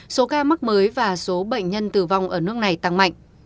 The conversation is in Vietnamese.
số ca mắc mới và số bệnh nhân tử vong ở nước này tăng mạnh